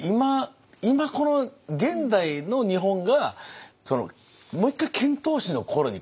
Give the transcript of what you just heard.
今この現代の日本がもう一回遣唐使の頃にかえって。